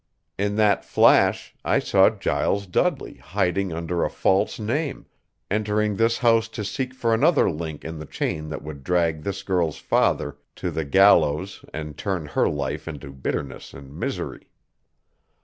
In that flash I saw Giles Dudley hiding under a false name, entering this house to seek for another link in the chain that would drag this girl's father to the gallows and turn her life to bitterness and misery.